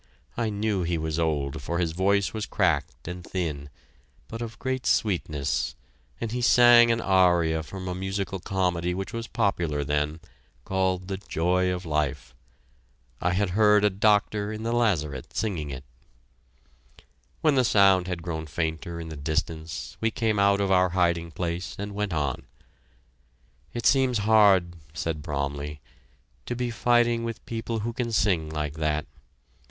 I knew he was old, for his voice was cracked and thin, but of great sweetness, and he sang an aria from a musical comedy which was popular then, called "The Joy of Life." I had heard a doctor in the lazaret singing it. When the sound had grown fainter in the distance, we came out of our hiding place and went on. "It seems hard," said Bromley, "to be fighting with people who can sing like that.